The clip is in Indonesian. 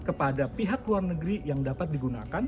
kepada pihak luar negeri yang dapat digunakan